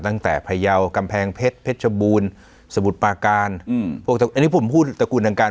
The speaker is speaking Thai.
ตั้งแต่พัญเยากำแพงเพชรเพชคนสมุทรปากาอืมถูกนี่ผมพูดตะกูลต่างการ